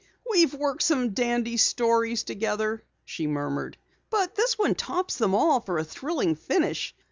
"We've worked on some dandy stories together," she murmured, "but this one tops them all for a thrilling finish.